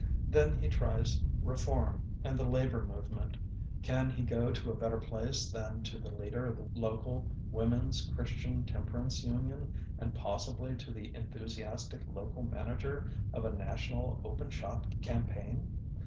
Then he tries re form and the labor movement ; can he go to a better place than to the leader of the local Woman's Christian Tem perance Union and possibly to the en thusiastic local manager of a national "Open Shop" campaign?